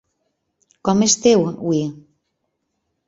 Com esteu, avui?